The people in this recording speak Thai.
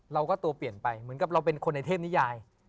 ตัวเปลี่ยนไปเหมือนกับเราเป็นคนในเทพนิยาย